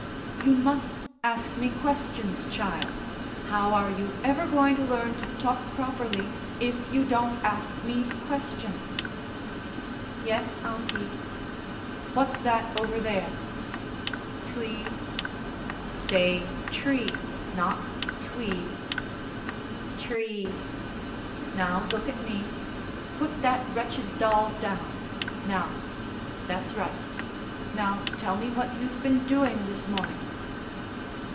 "You must ask me questions, child. How are you ever going to learn to talk properly if you don't ask me questions?" "Yes, auntie." "What's that over there?" "Twee." "Say tree, not twee." "Tree." "Now look at me. Put that wretched doll down.... Now.... That's right. Now tell me what you've been doing this morning."